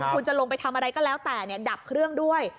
คุณจะลงไปทำอะไรก็แล้วแต่ดับเครื่องด้วย